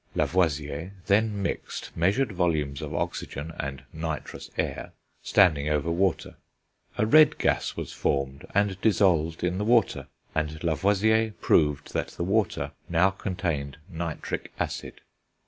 Lavoisier then mixed measured volumes of oxygen and "nitrous air," standing over water; a red gas was formed, and dissolved in the water, and Lavoisier proved that the water now contained nitric acid.